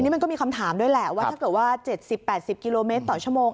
มันก็มีคำถามด้วยแหละว่าถ้าเกิดว่า๗๐๘๐กิโลเมตรต่อชั่วโมง